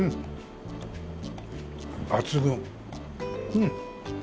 うん。